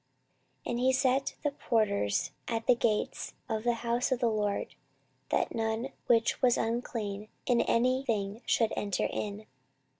14:023:019 And he set the porters at the gates of the house of the LORD, that none which was unclean in any thing should enter in.